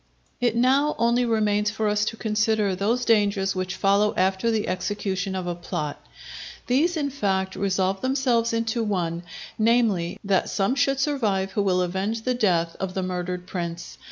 It now only remains for us to consider those dangers which follow after the execution of a plot. These in fact resolve themselves into one, namely, that some should survive who will avenge the death of the murdered prince.